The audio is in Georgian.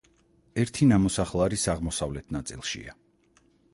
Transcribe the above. ერთი ნამოსახლარის აღმოსავლეთ ნაწილშია.